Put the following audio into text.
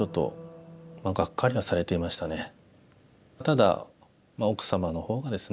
ただ奥様のほうがです